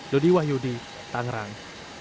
dodi wahyudi tangerang